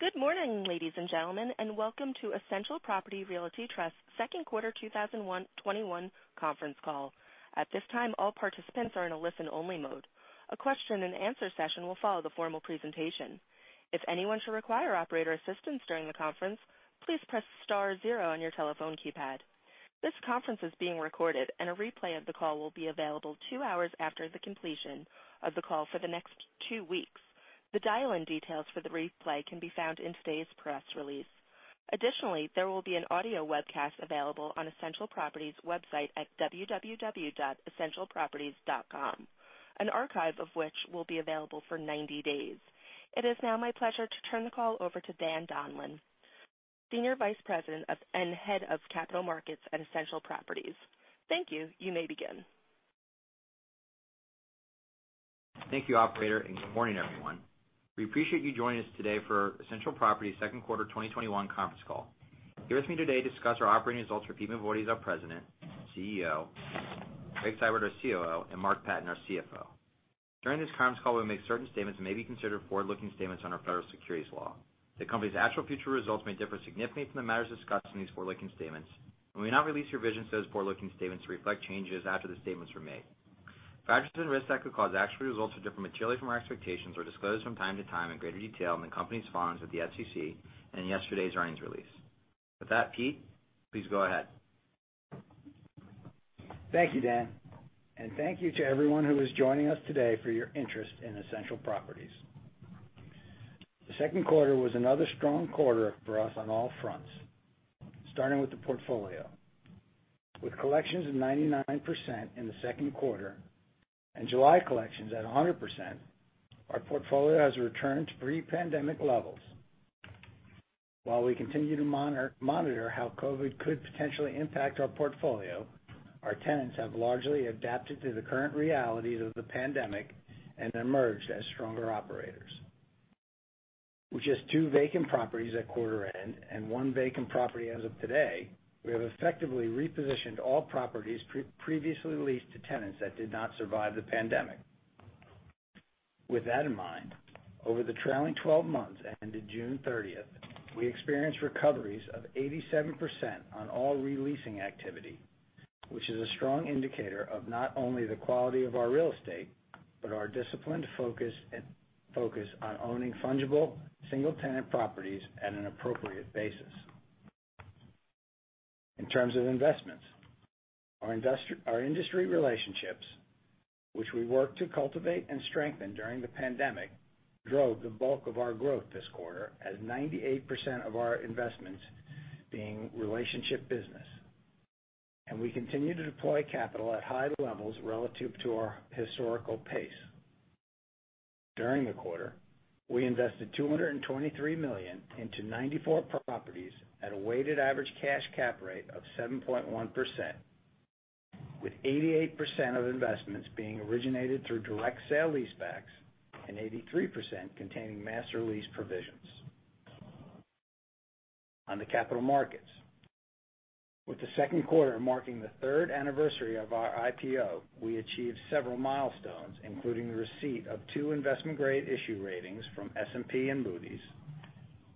Good morning, ladies and gentlemen, and Welcome to Essential Properties Realty Trust second quarter 2021 conference call. At this time, all participants are in a listen-only mode. A question and answer session will follow the formal presentation. If anyone should require operator assistance during the conference, please press star zero on your telephone keypad. This conference is being recorded, and a replay of the call will be available two hours after the completion of the call for the next two weeks. The dial-in details for the replay can be found in today's press release. Additionally, there will be an audio webcast available on Essential Properties' website at www.essentialproperties.com, an archive of which will be available for 90 days. It is now my pleasure to turn the call over to Dan Donlan, Senior Vice President and Head of Capital Markets at Essential Properties. Thank you. You may begin. Thank you, operator, and good morning, everyone. We appreciate you joining us today for Essential Properties' second quarter 2021 conference call. Here with me today to discuss our operating results are Pete Mavoides, our President and CEO, Greg Seibert our COO, and Mark Patten, our CFO. During this conference call, we may make certain statements that may be considered forward-looking statements under federal securities law. The company's actual future results may differ significantly from the matters discussed in these forward-looking statements, and we now release revisions to those forward-looking statements to reflect changes after the statements were made. Factors and risks that could cause actual results to differ materially from our expectations are disclosed from time to time in greater detail in the company's filings with the SEC and in yesterday's earnings release. With that, Pete, please go ahead. Thank you, Dan, and thank you to everyone who is joining us today for your interest in Essential Properties. The second quarter was another strong quarter for us on all fronts, starting with the portfolio. With collections of 99% in the second quarter and July collections at 100%, our portfolio has returned to pre-pandemic levels. While we continue to monitor how COVID could potentially impact our portfolio, our tenants have largely adapted to the current realities of the pandemic and emerged as stronger operators. With just two vacant properties at quarter end and one vacant property as of today, we have effectively repositioned all properties previously leased to tenants that did not survive the pandemic. With that in mind, over the trailing 12 months that ended June 30th, we experienced recoveries of 87% on all re-leasing activity, which is a strong indicator of not only the quality of our real estate, but our disciplined focus on owning fungible single-tenant properties at an appropriate basis. In terms of investments, our industry relationships, which we worked to cultivate and strengthen during the pandemic, drove the bulk of our growth this quarter as 98% of our investments being relationship business. We continue to deploy capital at high levels relative to our historical pace. During the quarter, we invested $223 million into 94 properties at a weighted average cash cap rate of 7.1%, with 88% of investments being originated through direct sale-leasebacks and 83% containing master lease provisions. On the capital markets, with the second quarter marking the third anniversary of our IPO, we achieved several milestones, including the receipt of two investment-grade issue ratings from S&P and Moody's,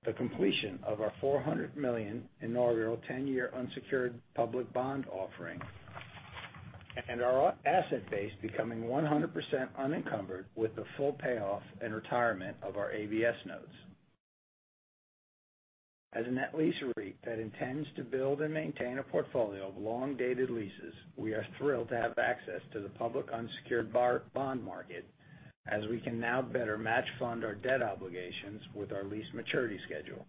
the completion of our $400 million inaugural 10-year unsecured public bond offering, and our asset base becoming 100% unencumbered with the full payoff and retirement of our ABS notes. As a net lease REIT that intends to build and maintain a portfolio of long-dated leases, we are thrilled to have access to the public unsecured bond market, as we can now better match fund our debt obligations with our lease maturity schedule.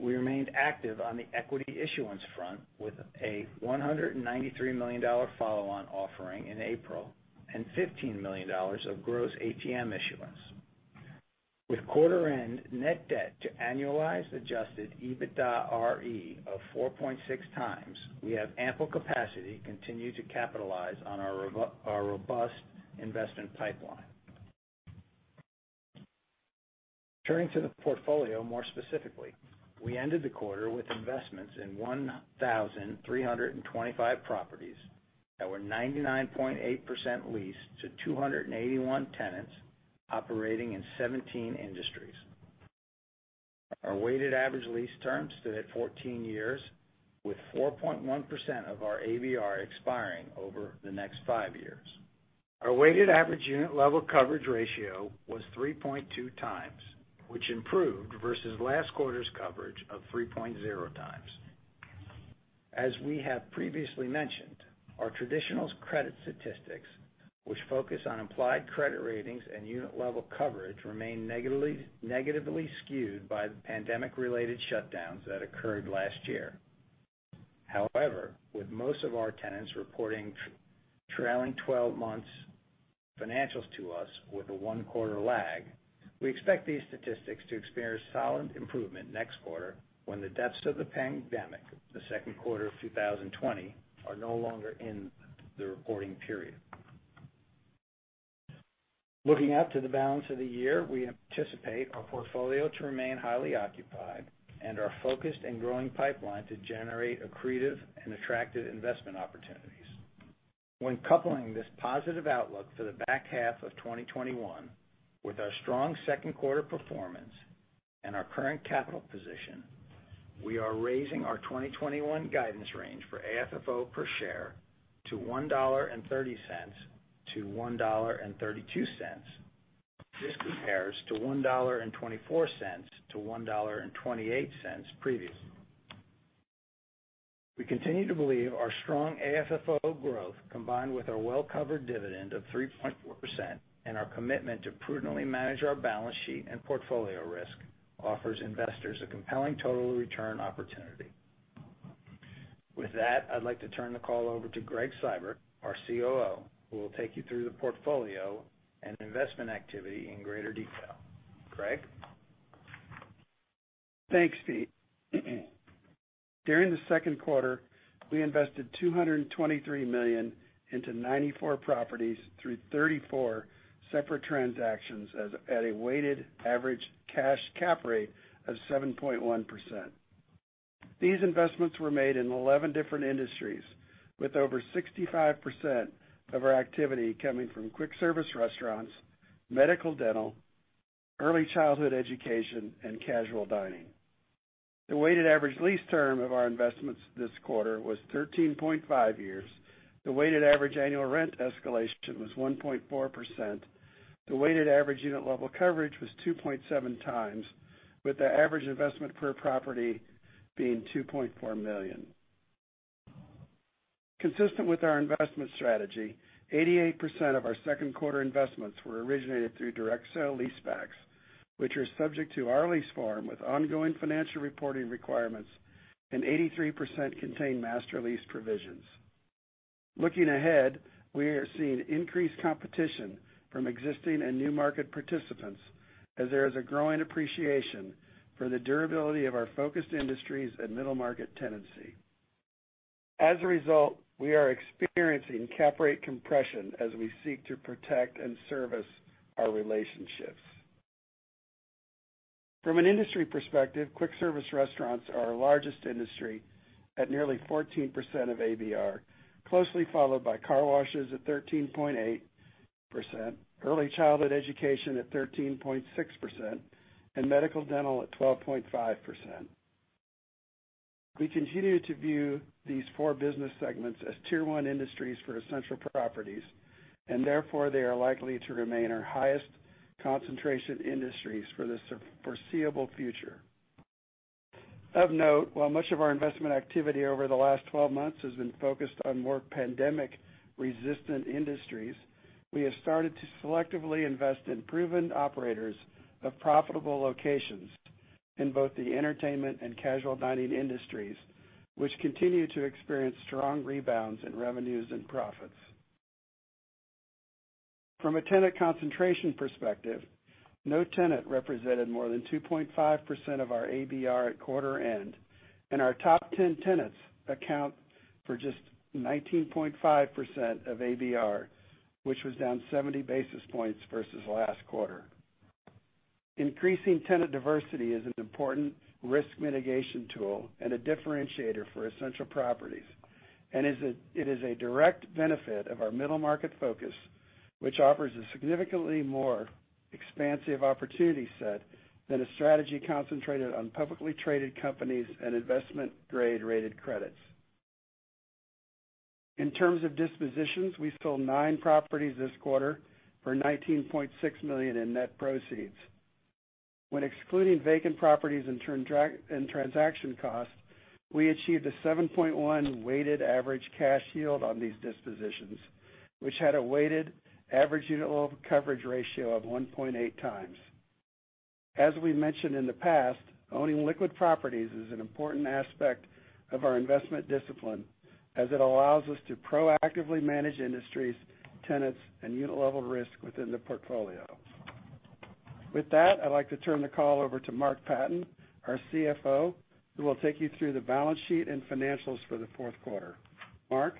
We remained active on the equity issuance front with a $193 million follow-on offering in April and $15 million of gross ATM issuance. With quarter end net debt to annualized adjusted EBITDARE of 4.6x, we have ample capacity to continue to capitalize on our robust investment pipeline. Turning to the portfolio more specifically, we ended the quarter with investments in 1,325 properties that were 99.8% leased to 281 tenants operating in 17 industries. Our weighted average lease term stood at 14 years, with 4.1% of our ABR expiring over the next five years. Our weighted average unit level coverage ratio was 3.2x, which improved versus last quarter's coverage of 3.0x. As we have previously mentioned, our traditional credit statistics, which focus on implied credit ratings and unit-level coverage, remain negatively skewed by the pandemic-related shutdowns that occurred last year. However, with most of our tenants reporting trailing 12 months financials to us with a one-quarter lag, we expect these statistics to experience solid improvement next quarter when the depths of the pandemic, the Q2 2020, are no longer in the reporting period. Looking out to the balance of the year, we anticipate our portfolio to remain highly occupied and our focused and growing pipeline to generate accretive and attractive investment opportunities. When coupling this positive outlook for the back half of 2021 with our strong second quarter performance and our current capital position, we are raising our 2021 guidance range for AFFO per share to $1.30-$1.32. This compares to $1.24-$1.28 previous. We continue to believe our strong AFFO growth, combined with our well-covered dividend of 3.4% and our commitment to prudently manage our balance sheet and portfolio risk, offers investors a compelling total return opportunity. With that, I'd like to turn the call over to Greg Seibert, our COO, who will take you through the portfolio and investment activity in greater detail. Greg? Thanks, Pete. During the second quarter, we invested $223 million into 94 properties through 34 separate transactions at a weighted average cash cap rate of 7.1%. These investments were made in 11 different industries, with over 65% of our activity coming from quick service restaurants, medical/dental, early childhood education, and casual dining. The weighted average lease term of our investments this quarter was 13.5 years. The weighted average annual rent escalation was 1.4%. The weighted average unit level coverage was 2.7x, with the average investment per property being $2.4 million. Consistent with our investment strategy, 88% of our second quarter investments were originated through direct sale-leasebacks, which are subject to our lease form with ongoing financial reporting requirements, and 83% contain master lease provisions. Looking ahead, we are seeing increased competition from existing and new market participants as there is a growing appreciation for the durability of our focused industries and middle market tenancy. As a result, we are experiencing cap rate compression as we seek to protect and service our relationships. From an industry perspective, quick service restaurants are our largest industry at nearly 14% of ABR, closely followed by car washes at 13.8%, early childhood education at 13.6%, and medical/dental at 12.5%. We continue to view these four business segments as tier one industries for Essential Properties, and therefore, they are likely to remain our highest concentration industries for the foreseeable future. Of note, while much of our investment activity over the last 12 months has been focused on more pandemic-resistant industries, we have started to selectively invest in proven operators of profitable locations in both the entertainment and casual dining industries, which continue to experience strong rebounds in revenues and profits. From a tenant concentration perspective, no tenant represented more than 2.5% of our ABR at quarter end, and our top 10 tenants account for just 19.5% of ABR, which was down 70 basis points versus last quarter. It is a direct benefit of our middle market focus, which offers a significantly more expansive opportunity set than a strategy concentrated on publicly traded companies and investment grade-rated credits. In terms of dispositions, we sold nine properties this quarter for $19.6 million in net proceeds. When excluding vacant properties and transaction costs, we achieved a 7.1 weighted average cash yield on these dispositions, which had a weighted average unit level coverage ratio of 1.8x. As we mentioned in the past, owning liquid properties is an important aspect of our investment discipline, as it allows us to proactively manage industries, tenants, and unit-level risk within the portfolio. With that, I'd like to turn the call over to Mark Patten, our CFO, who will take you through the balance sheet and financials for the fourth quarter. Mark?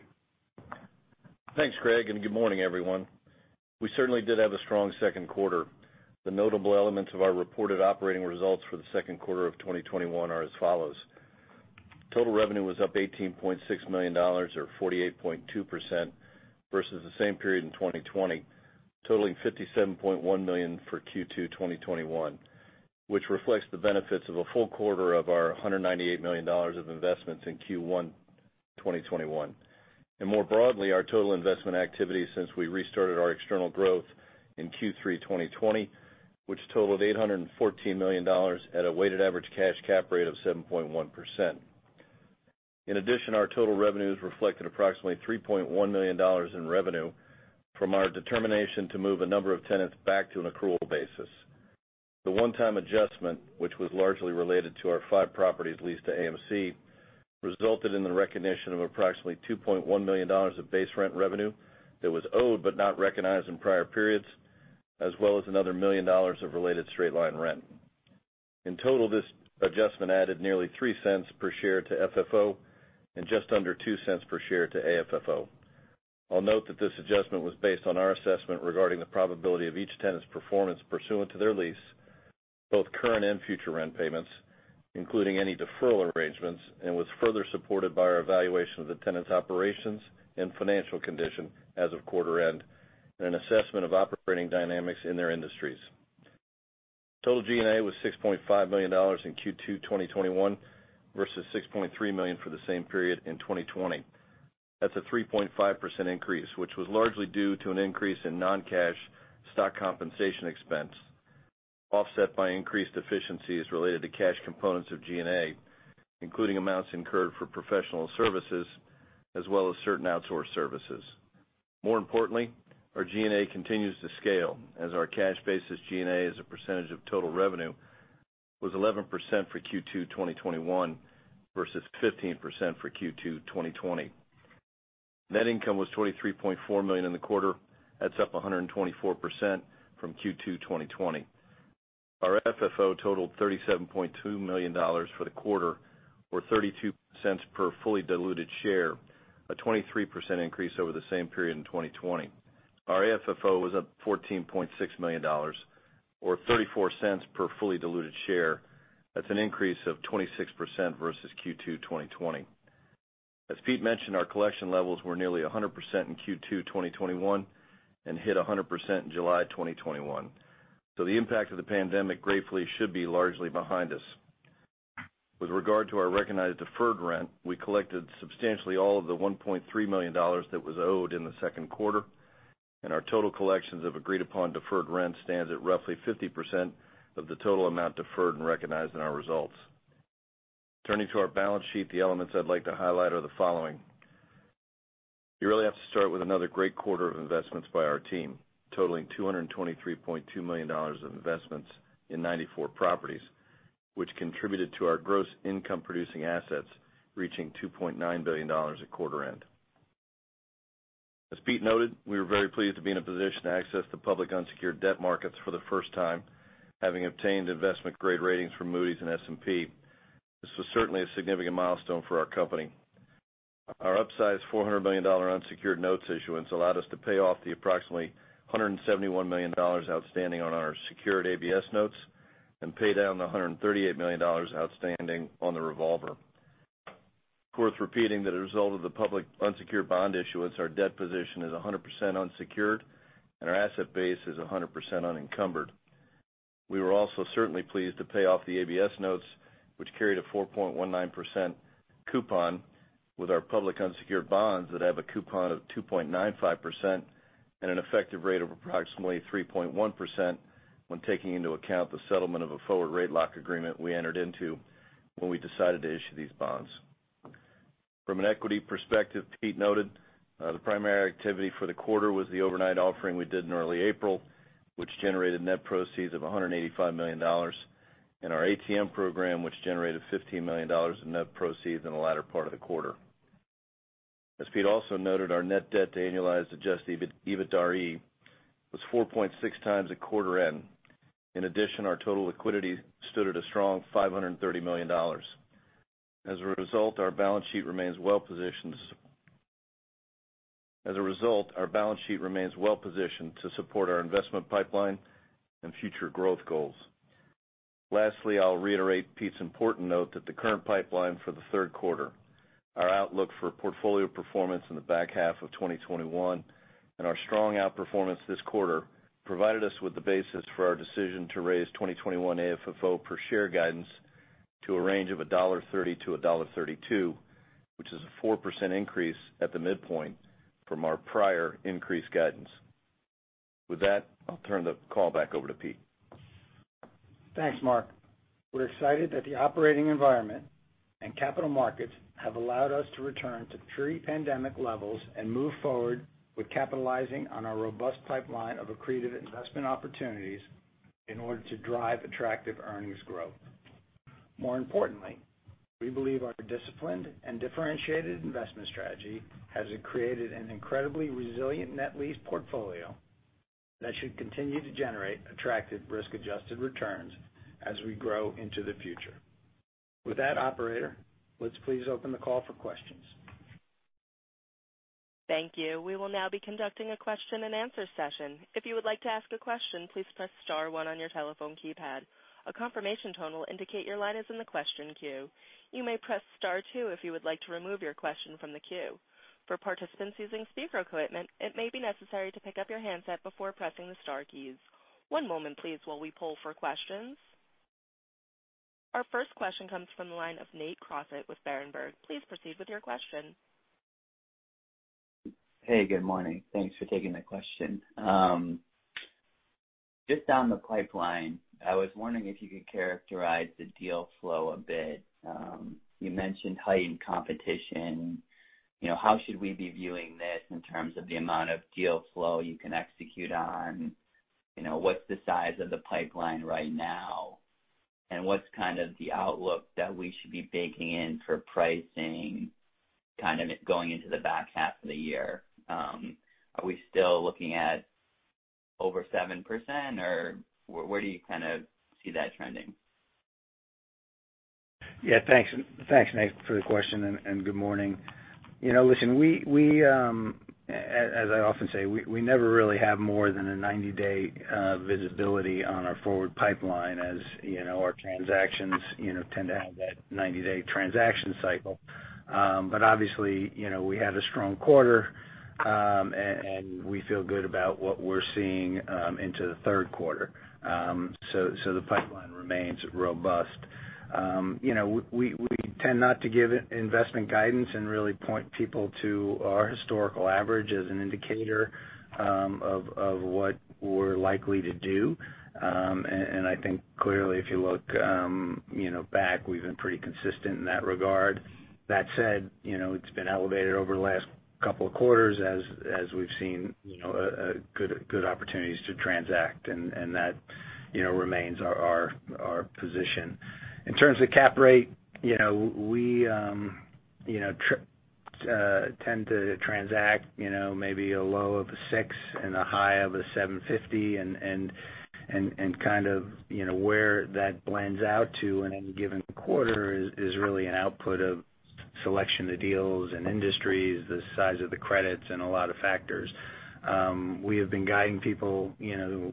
Thanks, Greg. Good morning, everyone. We certainly did have a strong second quarter. The notable elements of our reported operating results for the second quarter of 2021 are as follows. Total revenue was up $18.6 million, or 48.2%, versus the same period in 2020, totaling $57.1 million for Q2 2021, which reflects the benefits of a full quarter of our $198 million of investments in Q1 2021. More broadly, our total investment activity since we restarted our external growth in Q3 2020, which totaled $814 million at a weighted average cash cap rate of 7.1%. In addition, our total revenues reflected approximately $3.1 million in revenue from our determination to move a number of tenants back to an accrual basis. The one-time adjustment, which was largely related to our five properties leased to AMC, resulted in the recognition of approximately $2.1 million of base rent revenue that was owed but not recognized in prior periods, as well as another $1 million of related straight line rent. In total, this adjustment added nearly $0.03 per share to FFO and just under $0.02 per share to AFFO. I'll note that this adjustment was based on our assessment regarding the probability of each tenant's performance pursuant to their lease, both current and future rent payments, including any deferral arrangements, and was further supported by our evaluation of the tenant's operations and financial condition as of quarter end, and an assessment of operating dynamics in their industries. Total G&A was $6.5 million in Q2 2021 versus $6.3 million for the same period in 2020. That's a 3.5% increase, which was largely due to an increase in non-cash stock compensation expense, offset by increased efficiencies related to cash components of G&A, including amounts incurred for professional services as well as certain outsourced services. Our G&A continues to scale as our cash basis G&A as a percentage of total revenue was 11% for Q2 2021 versus 15% for Q2 2020. Net income was $23.4 million in the quarter. That's up 124% from Q2 2020. Our FFO totaled $37.2 million for the quarter or $0.32 per fully diluted share, a 23% increase over the same period in 2020. Our AFFO was up $14.6 million or $0.34 per fully diluted share. That's an increase of 26% versus Q2 2020. As Pete mentioned, our collection levels were nearly 100% in Q2 2021 and hit 100% in July 2021. The impact of the pandemic gratefully should be largely behind us. With regard to our recognized deferred rent, we collected substantially all of the $1.3 million that was owed in the second quarter, and our total collections of agreed-upon deferred rent stands at roughly 50% of the total amount deferred and recognized in our results. Turning to our balance sheet, the elements I'd like to highlight are the following. You really have to start with another great quarter of investments by our team, totaling $223.2 million of investments in 94 properties, which contributed to our gross income producing assets reaching $2.9 billion at quarter end. As Pete noted, we were very pleased to be in a position to access the public unsecured debt markets for the first time, having obtained investment-grade ratings from Moody's and S&P. This was certainly a significant milestone for our company. Our upsized $400 million unsecured notes issuance allowed us to pay off the approximately $171 million outstanding on our secured ABS notes and pay down the $138 million outstanding on the revolver. Worth repeating that as a result of the public unsecured bond issuance, our debt position is 100% unsecured and our asset base is 100% unencumbered. We were also certainly pleased to pay off the ABS notes, which carried a 4.19% coupon with our public unsecured bonds that have a coupon of 2.95% and an effective rate of approximately 3.1% when taking into account the settlement of a forward rate lock agreement we entered into when we decided to issue these bonds. From an equity perspective, Pete noted the primary activity for the quarter was the overnight offering we did in early April, which generated net proceeds of $185 million, and our ATM program, which generated $15 million in net proceeds in the latter part of the quarter. As Pete also noted, our net debt to annualized adjusted EBITDARE was 4.6x at quarter end. In addition, our total liquidity stood at a strong $530 million. As a result, our balance sheet remains well-positioned to support our investment pipeline and future growth goals. Lastly, I'll reiterate Pete's important note that the current pipeline for the third quarter, our outlook for portfolio performance in the back half of 2021, and our strong outperformance this quarter provided us with the basis for our decision to raise 2021 AFFO per share guidance to a range of $1.30 to $1.32, which is a 4% increase at the midpoint from our prior increased guidance. With that, I'll turn the call back over to Pete. Thanks, Mark. We're excited that the operating environment and capital markets have allowed us to return to pre-pandemic levels and move forward with capitalizing on our robust pipeline of accretive investment opportunities in order to drive attractive earnings growth. More importantly, we believe our disciplined and differentiated investment strategy has created an incredibly resilient net lease portfolio that should continue to generate attractive risk-adjusted returns as we grow into the future. With that, operator, let's please open the call for questions. Thank you. We will now be conducting a question and answer session. If you would like to ask a question, please press star one on your telephone keypad. A confirmation tone will indicate your light is in the question queue. You may press star two if you would like to remove your question from the queue. For participants using speaker equipment, it may be necessary to pick up your handset before pressing the star keys. One moment please while we poll for questions. Our first question comes from the line of Nate Crossett with Berenberg. Please proceed with your question. Hey, good morning. Thanks for taking the question. Just on the pipeline, I was wondering if you could characterize the deal flow a bit. You mentioned heightened competition. How should we be viewing this in terms of the amount of deal flow you can execute on? What's the size of the pipeline right now? What's kind of the outlook that we should be baking in for pricing kind of going into the back half of the year? Are we still looking at over 7%? Where do you kind of see that trending? Thanks, Nate, for the question, and good morning. Listen, as I often say, we never really have more than a 90-day visibility on our forward pipeline. As you know, our transactions tend to have that 90-day transaction cycle. Obviously, we had a strong quarter, and we feel good about what we're seeing into the third quarter. The pipeline remains robust. We tend not to give investment guidance and really point people to our historical average as an indicator of what we're likely to do. I think clearly, if you look back, we've been pretty consistent in that regard. That said, it's been elevated over the last couple of quarters as we've seen good opportunities to transact, and that remains our position. In terms of cap rate, we tend to transact maybe a low of a 6 and a high of a 7.50, and kind of where that blends out to in any given quarter is really an output of selection of deals and industries, the size of the credits, and a lot of factors. We have been guiding people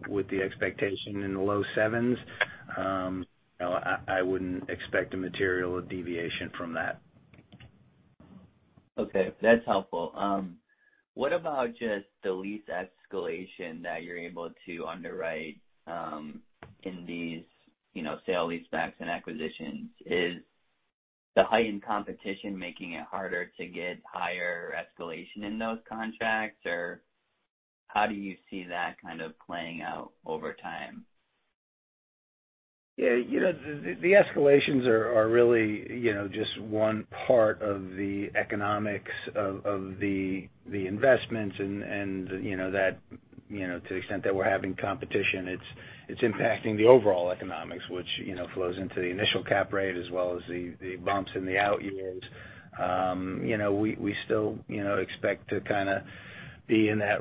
with the expectation in the low 7s. I wouldn't expect a material deviation from that. Okay. That's helpful. What about just the lease escalation that you're able to underwrite in these sale-leasebacks and acquisitions? Is the heightened competition making it harder to get higher escalation in those contracts? How do you see that kind of playing out over time? Yeah. The escalations are really just one part of the economics of the investments, and to the extent that we're having competition, it's impacting the overall economics, which flows into the initial cap rate as well as the bumps in the out years. We still expect to kind of be in that,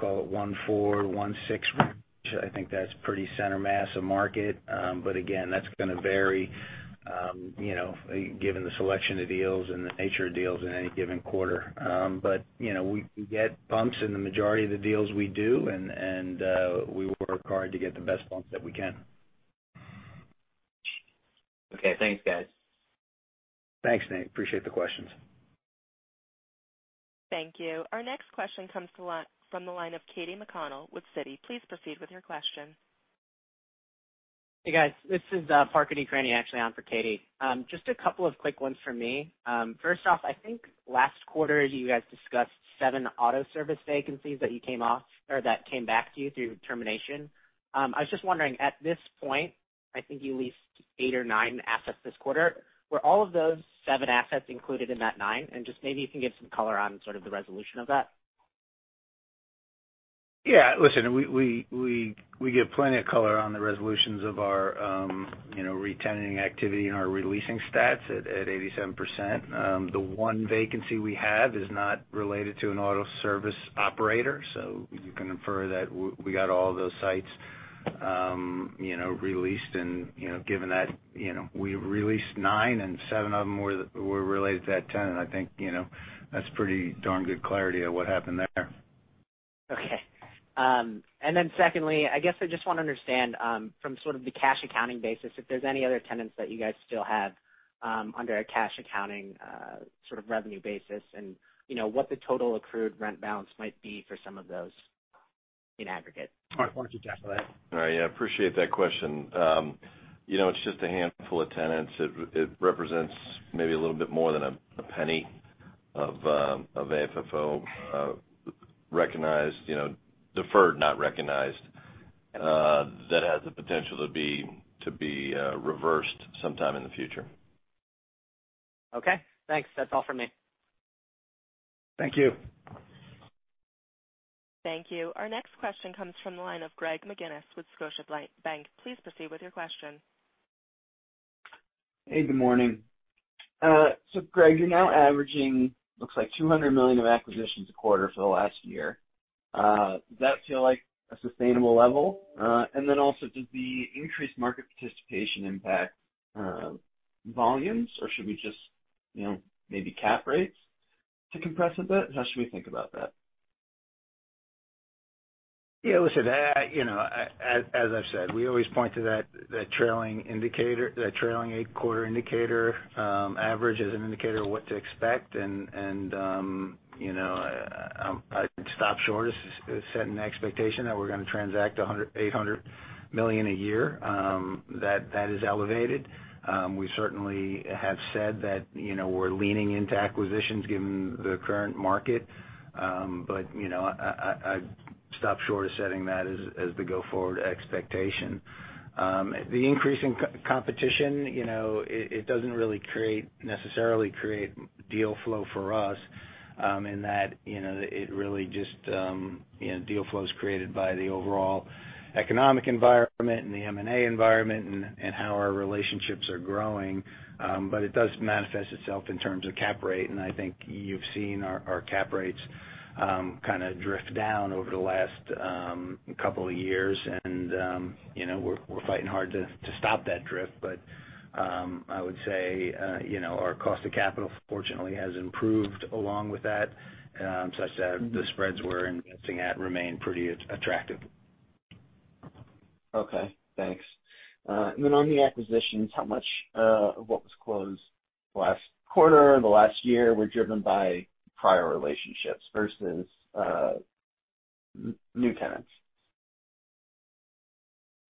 call it 1.4, 1.6. I think that's pretty center mass of market. Again, that's going to vary given the selection of deals and the nature of deals in any given quarter. We get bumps in the majority of the deals we do, and we work hard to get the best bumps that we can. Okay. Thanks, guys. Thanks, Nate. Appreciate the questions. Thank you. Our next question comes from the line of Katy McConnell with Citi. Please proceed with your question. Hey, guys. This is Parker Decraene actually on for Katy. Just a couple of quick ones from me. First off, I think last quarter you guys discussed seven auto service vacancies that you came off or that came back to you through termination. I was just wondering, at this point, I think you leased eight or nine assets this quarter. Were all of those seven assets included in that nine? Just maybe you can give some color on sort of the resolution of that. Listen, we give plenty of color on the resolutions of our re-tenanting activity and our re-leasing stats at 87%. The one vacancy we have is not related to an auto service operator. You can infer that we got all of those sites released and given that we released nine and seven of them were related to that tenant, I think that's pretty darn good clarity of what happened there. Okay. Secondly, I guess I just want to understand from sort of the cash accounting basis, if there's any other tenants that you guys still have under a cash accounting sort of revenue basis, and what the total accrued rent balance might be for some of those in aggregate. Mark, why don't you tackle that? All right. Yeah. Appreciate that question. It's just a handful of tenants. It represents maybe a little bit more than a penny of AFFO deferred, not recognized that has the potential to be reversed sometime in the future. Okay. Thanks. That's all for me. Thank you. Thank you. Our next question comes from the line of Greg McGinniss with Scotiabank. Please proceed with your question. Hey, good morning. Greg, you're now averaging, looks like $200 million of acquisitions a quarter for the last year. Does that feel like a sustainable level? Does the increased market participation impact volumes, or should we just maybe cap rates to compress a bit? How should we think about that? Listen, as I've said, we always point to that trailing eight quarter indicator average as an indicator of what to expect. I'd stop short of setting the expectation that we're going to transact $800 million a year. That is elevated. We certainly have said that we're leaning into acquisitions given the current market. I'd stop short of setting that as the go-forward expectation. The increase in competition, it doesn't really necessarily create deal flow for us in that deal flow is created by the overall economic environment and the M&A environment and how our relationships are growing. It does manifest itself in terms of cap rate, and I think you've seen our cap rates kind of drift down over the last couple of years, and we're fighting hard to stop that drift. I would say our cost of capital, fortunately, has improved along with that, such that the spreads we're investing at remain pretty attractive. Okay, thanks. On the acquisitions, how much of what was closed last quarter and the last year were driven by prior relationships versus new tenants?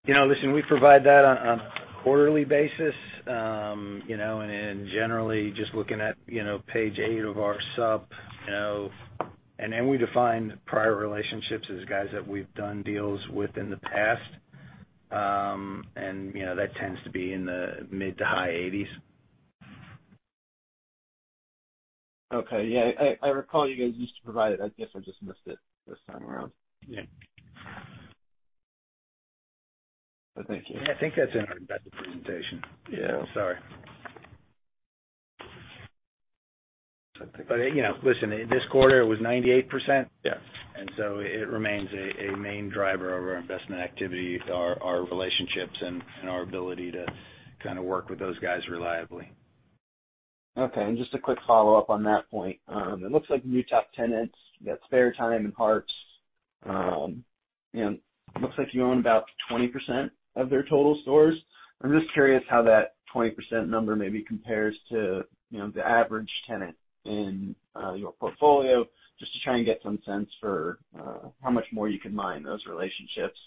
Listen, we provide that on a quarterly basis. Generally, just looking at page eight of our sup, we define prior relationships as guys that we've done deals with in the past. That tends to be in the mid to high 80s. Okay. Yeah. I recall you guys used to provide it. I guess I just missed it this time around. Yeah. Thank you. I think that's in our investor presentation. Yeah. Sorry. Hey, listen, this quarter it was 98%. Yeah. It remains a main driver of our investment activity, our relationships, and our ability to kind of work with those guys reliably. Okay. Just a quick follow-up on that point. It looks like new top tenants, you got Spare Time and Harps. Looks like you own about 20% of their total stores. I'm just curious how that 20% number maybe compares to the average tenant in your portfolio, just to try and get some sense for how much more you can mine those relationships.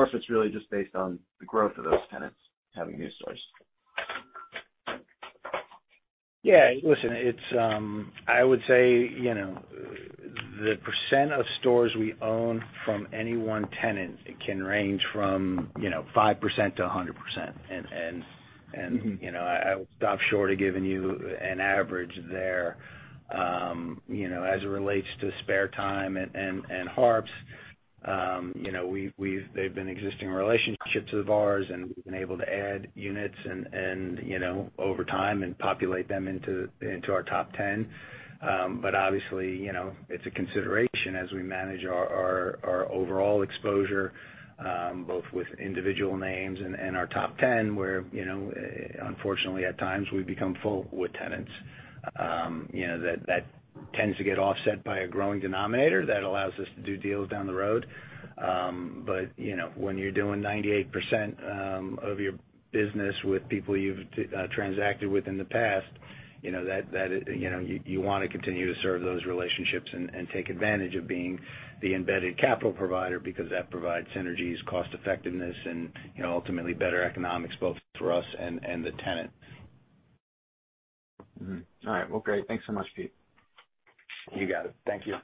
If it's really just based on the growth of those tenants having new stores. Yeah. Listen, I would say, the percent of stores we own from any one tenant can range from 5% to 100%. I would stop short of giving you an average there. As it relates to Spare Time and Harps, they've been existing relationships of ours and we've been able to add units over time and populate them into our top 10. Obviously, it's a consideration as we manage our overall exposure, both with individual names and our top 10, where unfortunately at times we become full with tenants. That tends to get offset by a growing denominator that allows us to do deals down the road. When you're doing 98% of your business with people you've transacted with in the past, you want to continue to serve those relationships and take advantage of being the embedded capital provider because that provides synergies, cost effectiveness, and ultimately better economics both for us and the tenant. All right. Well, great. Thanks so much, Pete. You got it. Thank you.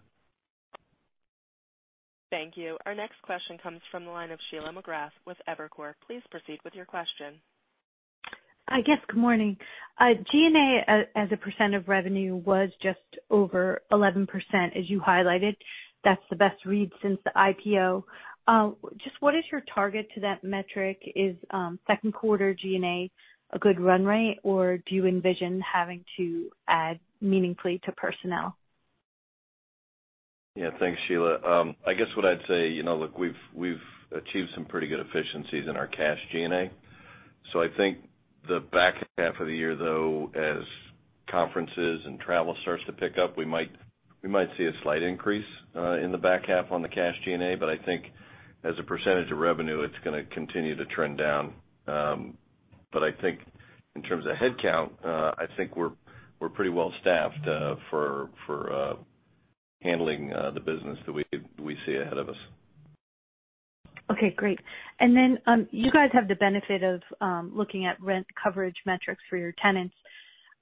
Thank you. Our next question comes from the line of Sheila McGrath with Evercore. Please proceed with your question. I guess good morning. G&A as a percent of revenue was just over 11% as you highlighted. That's the best read since the IPO. Just what is your target to that metric? Is second quarter G&A a good run rate, or do you envision having to add meaningfully to personnel? Yeah. Thanks, Sheila. I guess what I'd say, look, we've achieved some pretty good efficiencies in our cash G&A. I think the back half of the year, though, as conferences and travel starts to pick up, we might see a slight increase in the back half on the cash G&A. I think as a percentage of revenue, it's going to continue to trend down. I think in terms of headcount, I think we're pretty well staffed for handling the business that we see ahead of us. Okay, great. You guys have the benefit of looking at rent coverage metrics for your tenants.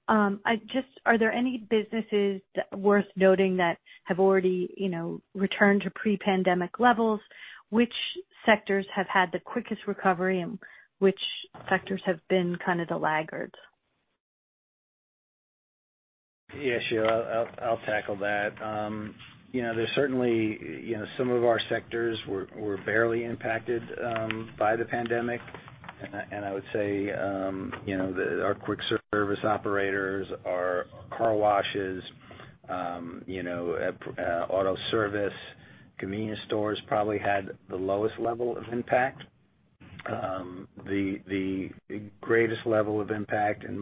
Are there any businesses worth noting that have already returned to pre-pandemic levels? Which sectors have had the quickest recovery, and which sectors have been kind of the laggards? Yeah, Sheila, I'll tackle that. There's certainly some of our sectors were barely impacted by the pandemic. I would say, our quick service operators, our car washes, auto service, convenience stores probably had the lowest level of impact. The greatest level of impact and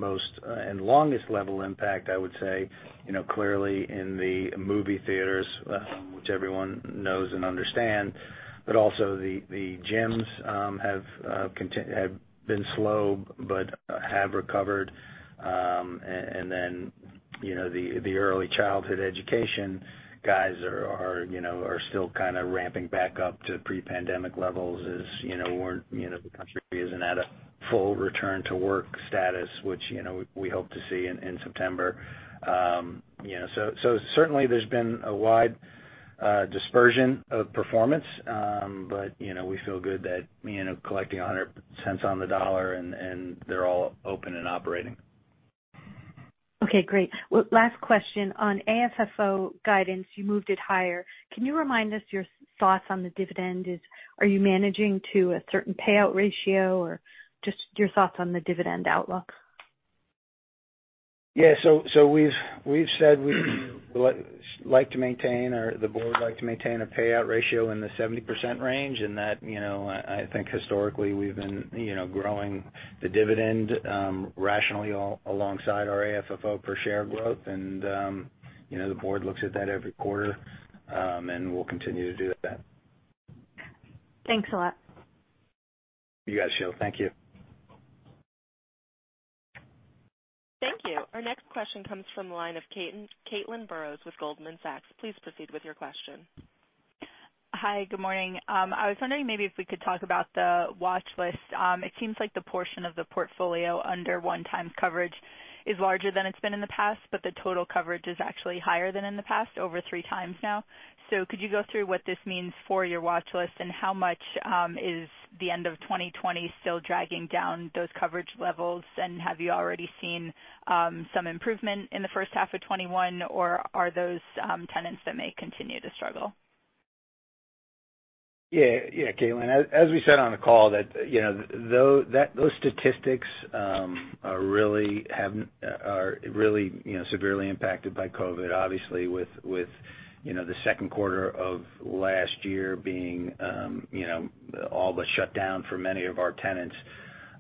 longest level impact, I would say, clearly in the movie theaters, which everyone knows and understand. Also the gyms have been slow but have recovered. The early childhood education guys are still kind of ramping back up to pre-pandemic levels as the country isn't at a full return to work status, which we hope to see in September. Certainly there's been a wide dispersion of performance. We feel good that collecting $1.00 on the dollar and they're all open and operating. Great. Last question. On AFFO guidance, you moved it higher. Can you remind us your thoughts on the dividend? Are you managing to a certain payout ratio, or just your thoughts on the dividend outlook? Yeah. We've said we like to maintain, or the board like to maintain a payout ratio in the 70% range, and that, I think historically we've been growing the dividend rationally alongside our AFFO per share growth. The board looks at that every quarter, and we'll continue to do that. Thanks a lot. You got it, Sheila. Thank you. Thank you. Our next question comes from the line of Caitlin Burrows with Goldman Sachs. Please proceed with your question. Hi. Good morning. I was wondering maybe if we could talk about the watchlist. It seems like the portion of the portfolio under one times coverage is larger than it's been in the past, but the total coverage is actually higher than in the past, over three times now. Could you go through what this means for your watchlist, and how much is the end of 2020 still dragging down those coverage levels? Have you already seen some improvement in the first half of 2021, or are those tenants that may continue to struggle? Yeah, Caitlin. As we said on the call, those statistics are really severely impacted by COVID, obviously, with second quarter 2020 being all the shut down for many of our tenants.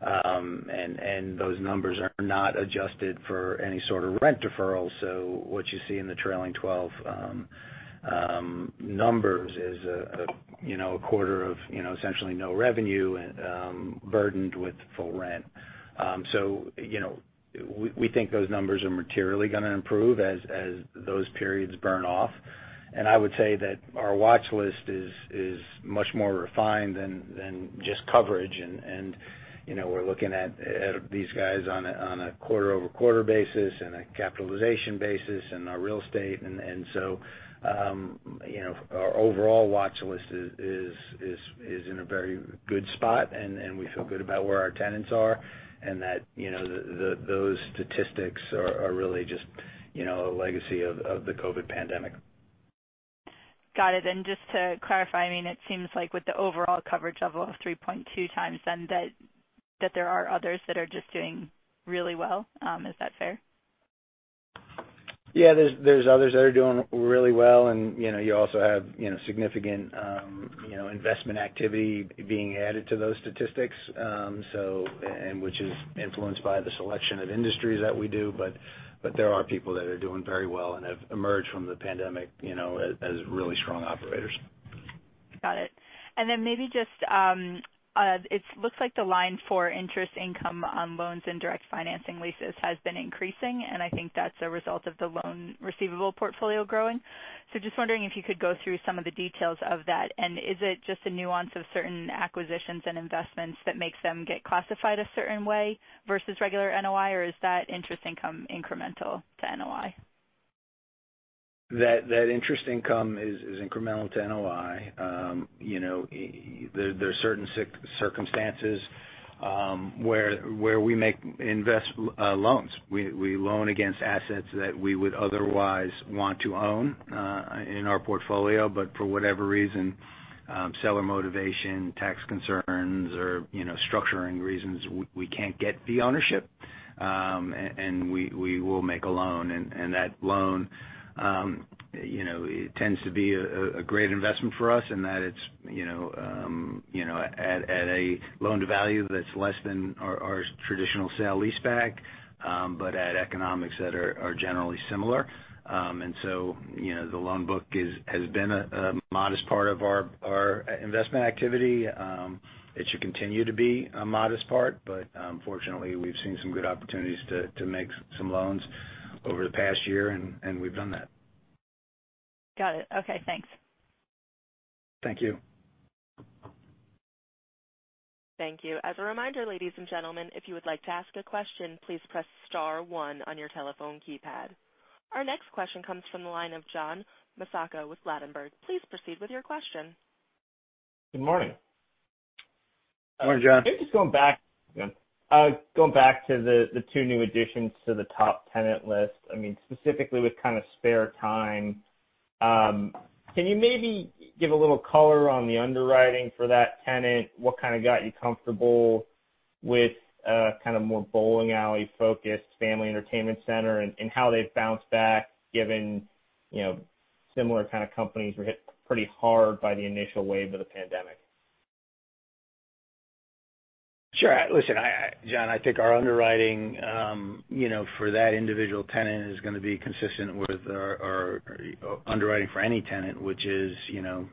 Those numbers are not adjusted for any sort of rent deferral. What you see in the trailing 12 numbers is a quarter of essentially no revenue burdened with full rent. We think those numbers are materially going to improve as those periods burn off. I would say that our watchlist is much more refined than just coverage. We're looking at these guys on a quarter-over-quarter basis and a capitalization basis and our real estate. Our overall watchlist is in a very good spot, and we feel good about where our tenants are, and that those statistics are really just a legacy of the COVID pandemic. Got it. Just to clarify, it seems like with the overall coverage level of 3.2x then that there are others that are just doing really well. Is that fair? Yeah, there's others that are doing really well, and you also have significant investment activity being added to those statistics, and which is influenced by the selection of industries that we do. There are people that are doing very well and have emerged from the pandemic as really strong operators. Got it. Maybe just, it looks like the line for interest income on loans and direct financing leases has been increasing, and I think that's a result of the loan receivable portfolio growing. Just wondering if you could go through some of the details of that. Is it just a nuance of certain acquisitions and investments that makes them get classified a certain way versus regular NOI, or is that interest income incremental to NOI? That interest income is incremental to NOI. There are certain circumstances where we invest loans. We loan against assets that we would otherwise want to own in our portfolio, but for whatever reason, seller motivation, tax concerns, or structuring reasons, we can't get the ownership. We will make a loan, and that loan tends to be a great investment for us in that it's at a loan-to-value that's less than our traditional sale-leaseback, but at economics that are generally similar. The loan book has been a modest part of our investment activity. It should continue to be a modest part, but fortunately, we've seen some good opportunities to make some loans over the past year, and we've done that. Got it. Okay, thanks. Thank you. Thank you. As a reminder, ladies and gentlemen, if you would like to ask a question, please press star one on your telephone keypad. Our next question comes from the line of John Massocca with Ladenburg. Please proceed with your question. Good morning. Morning, John. Maybe just going back to the two new additions to the top tenant list, specifically with kind of Spare Time. Can you maybe give a little color on the underwriting for that tenant? What kind of got you comfortable with a kind of more bowling alley-focused family entertainment center, and how they've bounced back given similar kind of companies were hit pretty hard by the initial wave of the pandemic? Sure. Listen, John, I think our underwriting for that individual tenant is going to be consistent with our underwriting for any tenant, which is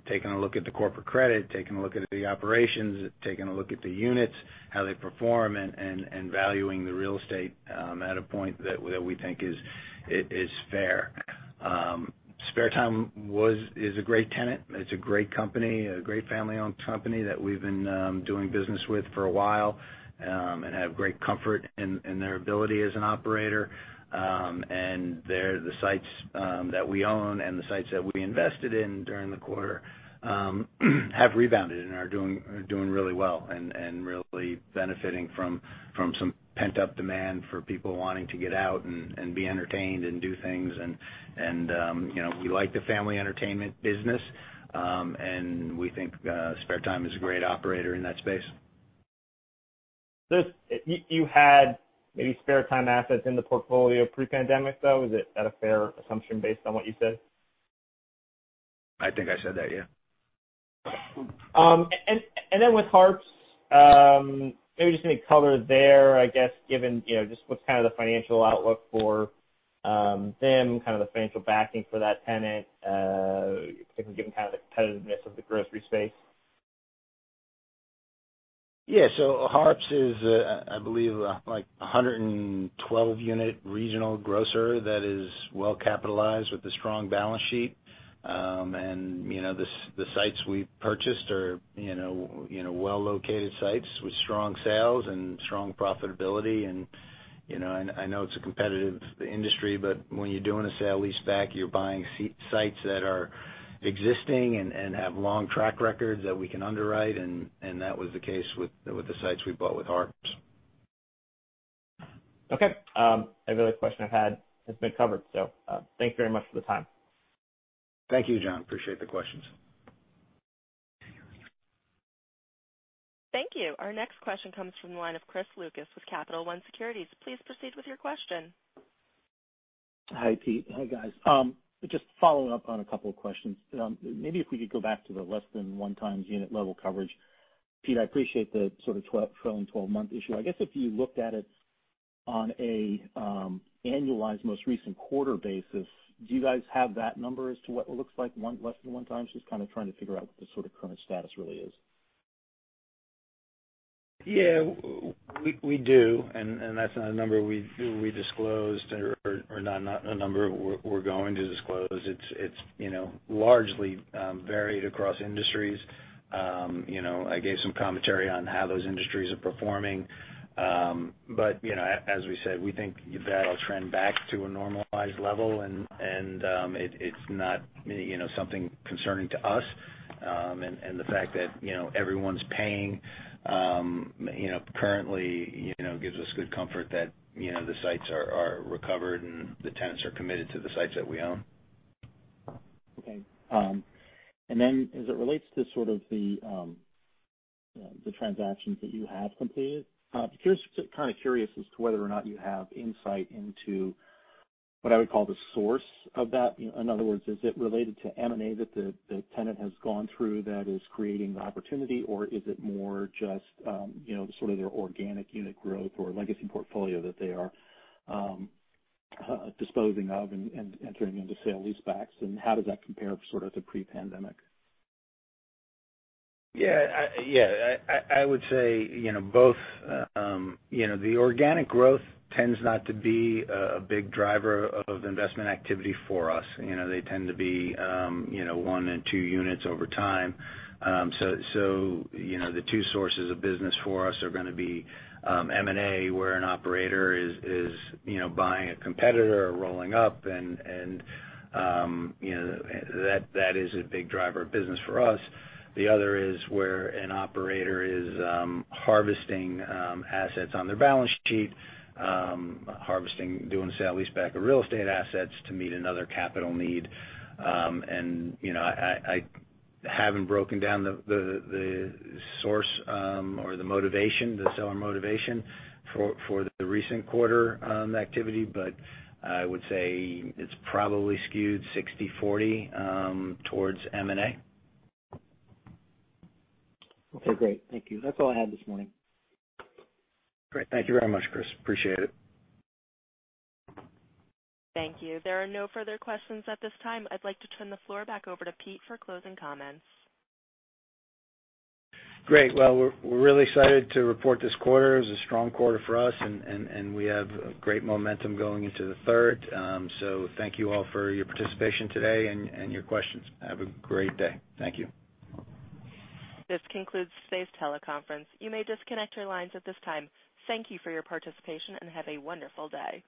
taking a look at the corporate credit, taking a look at the operations, taking a look at the units, how they perform, and valuing the real estate at a point that we think is fair. Spare Time is a great tenant. It's a great company, a great family-owned company that we've been doing business with for a while, and have great comfort in their ability as an operator. The sites that we own and the sites that we invested in during the quarter have rebounded and are doing really well and really benefiting from some pent-up demand for people wanting to get out and be entertained and do things. We like the family entertainment business. We think Spare Time is a great operator in that space. You had maybe Spare Time assets in the portfolio pre-pandemic, though? Is that a fair assumption based on what you said? I think I said that, yeah. Then with Harps, maybe just any color there, I guess, given just what's kind of the financial outlook for them, kind of the financial backing for that tenant, particularly given kind of the competitiveness of the grocery space? Yeah. Harps is, I believe, like a 112-unit regional grocer that is well-capitalized with a strong balance sheet. The sites we've purchased are well-located sites with strong sales and strong profitability. I know it's a competitive industry, but when you're doing a sale-leaseback, you're buying sites that are existing and have long track records that we can underwrite, and that was the case with the sites we bought with Harps. Okay. Every other question I had has been covered. Thanks very much for the time. Thank you, John. Appreciate the questions. Thank you. Our next question comes from the line of Chris Lucas with Capital One Securities. Please proceed with your question. Hi, Pete. Hi, guys. Just following up on a couple of questions. Maybe if we could go back to the less than one time unit level coverage. Pete, I appreciate the sort of trailing 12-month issue. I guess if you looked at it on a annualized most recent quarter basis, do you guys have that number as to what it looks like less than one time? Just kind of trying to figure out what the sort of current status really is. Yeah. We do, and that's not a number we disclosed or not a number we're going to disclose. It's largely varied across industries. I gave some commentary on how those industries are performing. As we said, we think that'll trend back to a normalized level and it's not something concerning to us. The fact that everyone's paying currently gives us good comfort that the sites are recovered and the tenants are committed to the sites that we own. Okay. Then as it relates to sort of the transactions that you have completed, just kind of curious as to whether or not you have insight into what I would call the source of that. In other words, is it related to M&A that the tenant has gone through that is creating the opportunity, or is it more just sort of their organic unit growth or legacy portfolio that they are disposing of and entering into sale-leasebacks? How does that compare to sort of the pre-pandemic? Yeah. I would say both. The organic growth tends not to be a big driver of investment activity for us. They tend to be one in two units over time. The two sources of business for us are gonna be M&A, where an operator is buying a competitor or rolling up and that is a big driver of business for us. The other is where an operator is harvesting assets on their balance sheet, harvesting, doing a sale-leaseback of real estate assets to meet another capital need. I haven't broken down the source or the motivation, the seller motivation for the recent quarter activity, but I would say it's probably skewed 60/40 towards M&A. Okay, great. Thank you. That's all I had this morning. Great. Thank you very much, Chris. Appreciate it. Thank you. There are no further questions at this time. I'd like to turn the floor back over to Pete for closing comments. Great. Well, we're really excited to report this quarter. It was a strong quarter for us, and we have great momentum going into the third. Thank you all for your participation today and your questions. Have a great day. Thank you. This concludes today's teleconference. You may disconnect your lines at this time. Thank you for your participation, and have a wonderful day.